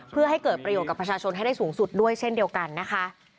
เพื่อให้เกิดประโยชน์กับประชาชนให้ได้สูงสุดด้วยเช่นเดียวกันนะคะ